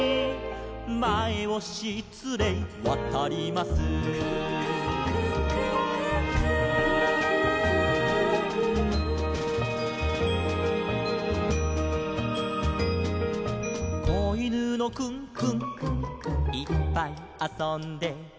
「『まえをしつれいわたります』」「こいぬのクンクンいっぱいあそんで」